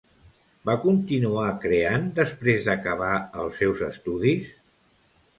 Va continuar creant després d'acabar els seus estudis?